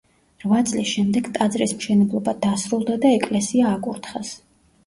რვა წლის შემდეგ ტაძრის მშენებლობა დასრულდა და ეკლესია აკურთხეს.